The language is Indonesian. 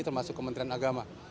termasuk kementerian agama